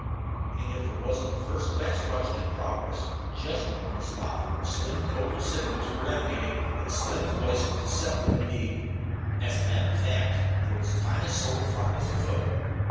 And if there wasn't a first class ruction in progress just upon the spot from which Slim's vocal signals were emanating, then Slim's voice was deceptive, indeed. As a matter of fact, there was the finest sort of a fracas afoot.